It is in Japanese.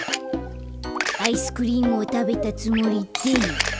アイスクリームをたべたつもりで。